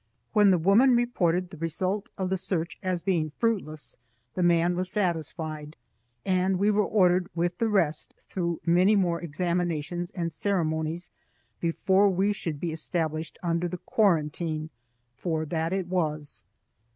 When the woman reported the result of the search as being fruitless, the man was satisfied, and we were ordered with the rest through many more examinations and ceremonies before we should be established under the quarantine, for that it was.